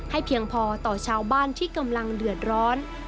เพียงพอต่อชาวบ้านที่กำลังเดือดร้อน